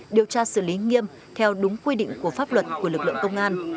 điều tra xử lý nghiêm theo đúng quy định của pháp luật của lực lượng công an